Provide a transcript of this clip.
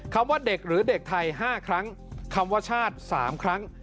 ว่าเด็กหรือเด็กไทย๕ครั้งคำว่าชาติ๓ครั้ง